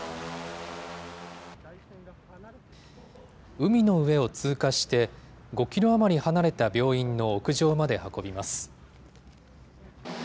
海の上を通過して、５キロ余り離れた病院の屋上まで運びます。